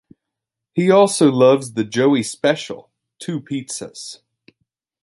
He also loves the "Joey Special" - two pizzas.